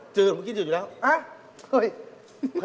จืดมึงกินจืดอยู่แล้วอะไรแหละ